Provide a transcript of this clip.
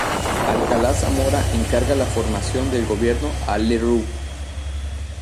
Alcalá Zamora encarga la formación del gobierno a Lerroux.